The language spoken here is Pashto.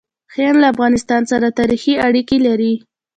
هند له افغانستان سره تاریخي اړیکې لري.